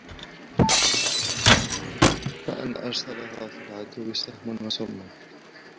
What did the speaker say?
وَأَنَّ إرْسَالَهَا فِي الْعَدُوِّ سَهْمٌ وَسُمٌّ